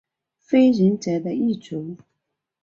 非人者的一族。